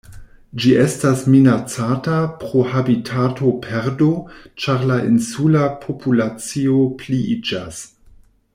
Ĝi estas minacata pro habitatoperdo ĉar la insula populacio pliiĝas.